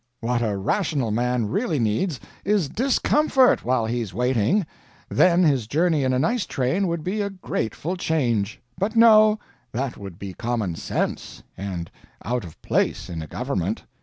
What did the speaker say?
What a rational man really needs is discomfort while he's waiting, then his journey in a nice train would be a grateful change. But no, that would be common sense and out of place in a government.